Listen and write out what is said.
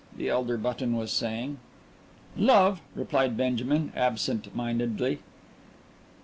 the elder Button was saying. "Love," replied Benjamin absent mindedly.